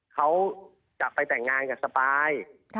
เขาจะไปแต่งงานกับสปาย